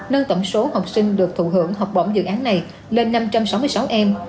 nâng tổng số học sinh được thụ hưởng học bổng dự án này lên năm trăm sáu mươi sáu em